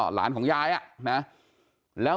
หลานของยาย